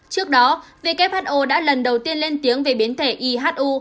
trước đó who đã lần đầu tiên lên tiếng về biến thể ihu